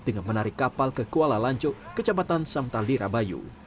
dengan menarik kapal ke kuala lancho kecamatan samtaldi rabayu